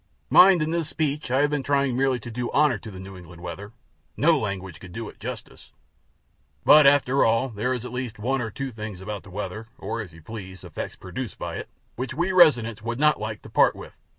Mind, in this speech I have been trying merely to do honor to the New England weather no language could do it justice. But, after all, there is at least one or two things about that weather (or, if you please, effects produced, by it) which we residents would not like to part with.